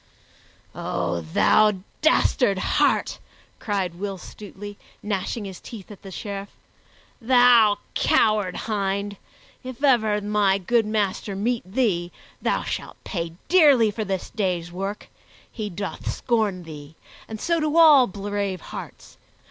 "O thou dastard heart!" cried Will Stutely, gnashing his teeth at the Sheriff. "Thou coward hind! If ever my good master meet thee thou shalt pay dearly for this day's work! He doth scorn thee, and so do all brave hearts.